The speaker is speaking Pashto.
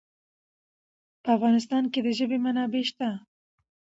په افغانستان کې د ژبې منابع شته.